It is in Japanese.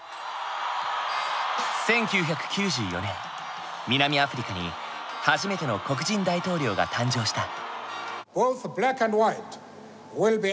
１９９４年南アフリカに初めての黒人大統領が誕生した。